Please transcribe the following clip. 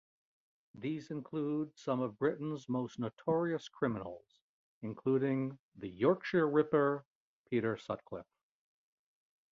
These include some of Britain's most notorious criminals, including the "Yorkshire Ripper" Peter Sutcliffe.